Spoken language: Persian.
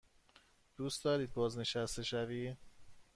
دوست داری بازنشسته شوی؟